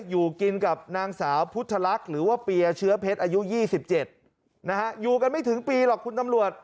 อยู่กินกับนางสาวพุทธลักษณ์หรือว่าเปียเชื้อเพชรอายุ๒๗นะฮะอยู่กันไม่ถึงปีหรอกคุณตำรวจ